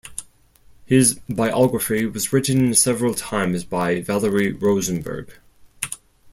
His biography was written several times by Valerie Rosenberg.